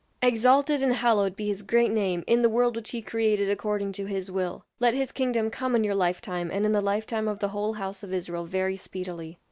"Exalted and hallowed be his great name in the world which he created according to his will; let his kingdom come in your lifetime, and in the lifetime of the whole house of Israel very speedily!"